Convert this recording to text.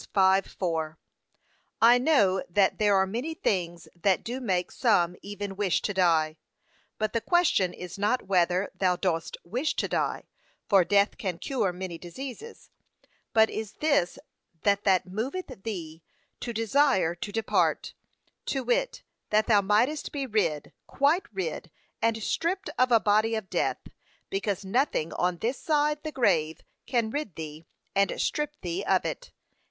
5:4) I know that there are many things that do make some even wish to die: but the question is not whether thou dost wish to die: for death can cure many diseases: but is this that that moveth thee to desire to depart: to wit, that thou mightest be rid, quite rid, and stripped of a body of death, because nothing on this side the grave can rid thee and strip thee of it.